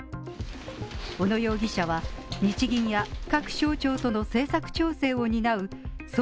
小野容疑者は日銀や各省庁との政策調整を担う総括